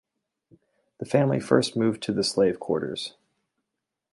The family first moved to the slave quarters.